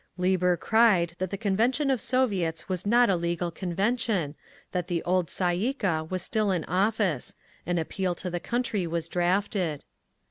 Lieber cried that the convention of Soviets was not a legal convention, that the old Tsay ee kah was still in office…. An appeal to the country was drafted.